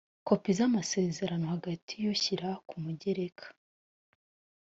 kopi z amasezerano hagati y ushyira kumugereka